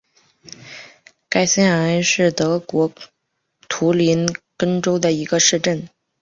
盖森海恩是德国图林根州的一个市镇。